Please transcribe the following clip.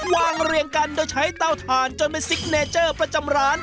เรียงกันโดยใช้เตาถ่านจนเป็นซิกเนเจอร์ประจำร้าน